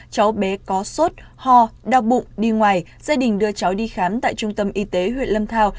cháu bé có sốt ho đau bụng đi ngoài gia đình đưa cháu đi khám tại trung tâm y tế huyện lâm thao